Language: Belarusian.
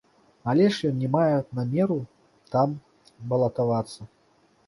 Але ж ён не мае намеру там балатавацца!